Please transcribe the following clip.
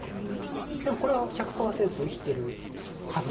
でもこれは１００％生きてるはずなんですが。